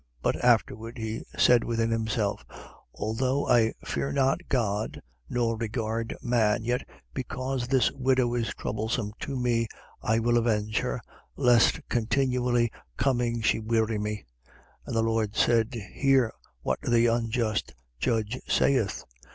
But afterwards he said within himself: Although I fear not God nor regard man, 18:5. Yet because this widow is troublesome to me, I will avenge her, lest continually coming she weary me. 18:6. And the Lord said: Hear what the unjust judge saith.